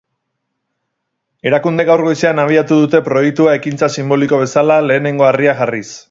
Erakundeek gaur goizean abiatu dute proiektua, ekintza sinboliko bezala lehenengo harria jarriz.